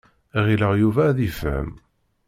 Ɣileɣ Yuba ad yefhem.